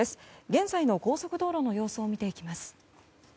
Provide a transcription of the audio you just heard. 現在の高速道路の様子を見ていきます。